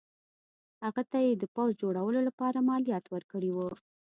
هغه ته یې د پوځ جوړولو لپاره مالیات ورکړي وو.